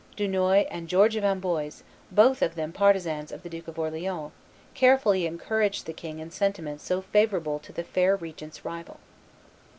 Dunois and George of Amboise, both of them partisans of the Duke of Orleans, carefully encouraged the king in sentiments so favorable to the fair regent's rival.